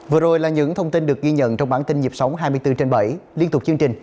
vừa rồi là những thông tin được ghi nhận trong bản tin nhịp sống hai mươi bốn trên bảy liên tục chương trình